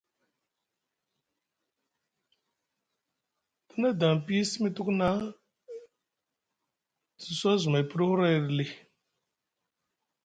Te na edi aŋ piyi simi tuku na te soo azumay piɗi huray ɗa lii.